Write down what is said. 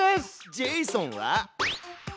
ジェイソンは？